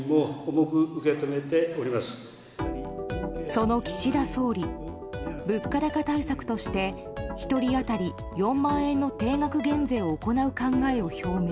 その岸田総理物価高対策として１人当たり４万円の定額減税を行う考えを表明。